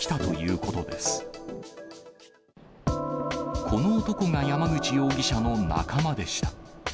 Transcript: この男が山口容疑者の仲間でした。